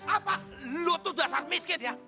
apa lu tuh dasar miskin ya